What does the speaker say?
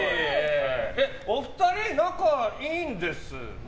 お二人、仲いいんですね？